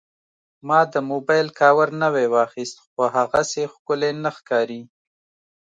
ما د موبایل کاور نوی واخیست، خو هغسې ښکلی نه ښکاري.